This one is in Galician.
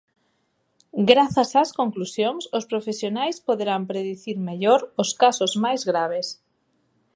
Grazas ás conclusións os profesionais poderán predicir mellor os casos máis graves.